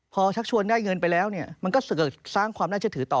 พอชักชวนได้เงินไปแล้วเนี่ยมันก็เกิดสร้างความน่าเชื่อถือต่อ